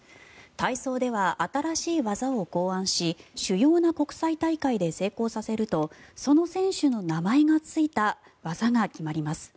体操では新しい技を考案し主要な国際大会で成功させるとその選手の名前がついた技が決まります。